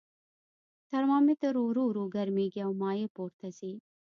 ترمامتر ورو ورو ګرمیږي او مایع پورته ځي.